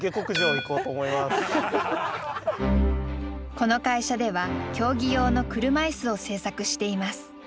この会社では競技用の車いすを製作しています。